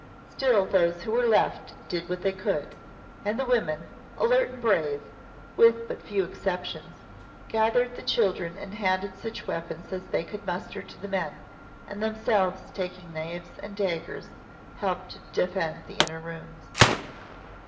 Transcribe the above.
Still, those who were left did what they could, and the women, alert and brave, with but few exceptions, gathered the children and handed such weapons as they could muster to the men, and themselves, taking knives and daggers, helped to defend the inner rooms.